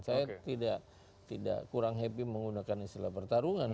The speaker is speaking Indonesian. saya tidak kurang happy menggunakan istilah pertarungan